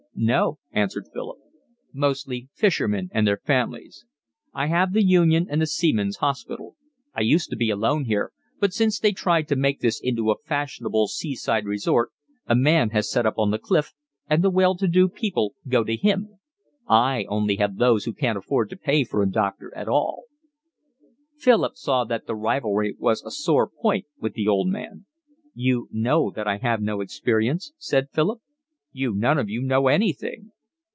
"No," answered Philip. "Mostly fishermen and their families. I have the Union and the Seamen's Hospital. I used to be alone here, but since they tried to make this into a fashionable sea side resort a man has set up on the cliff, and the well to do people go to him. I only have those who can't afford to pay for a doctor at all." Philip saw that the rivalry was a sore point with the old man. "You know that I have no experience," said Philip. "You none of you know anything."